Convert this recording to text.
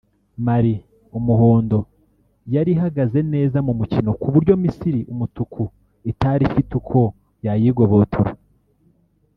Mali (Umuhondo) yari ihagaze neza mu mukino ku buryo Misiri (Umutuku) itari ifite uko yayigobotora